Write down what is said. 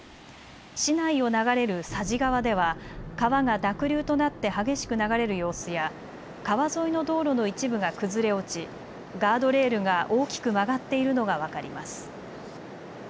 市内を流れる佐治川では川が濁流となって激しく流れる様子や川沿いの道路の一部が崩れ落ちガードレールが大きく曲がっているのが分かります。